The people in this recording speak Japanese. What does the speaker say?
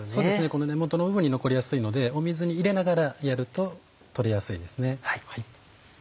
この根元の部分に残りやすいので水に入れながらやると取れやすいですね。